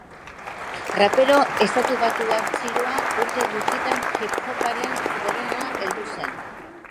Rapero estatubatuar txiroa urte gutxitan hip-hoparen gorenera heldu zen.